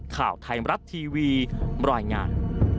ข่าวไทยรับทีวีบรอยงาน